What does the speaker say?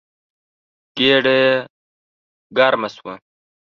ګېډه يې توده شوه.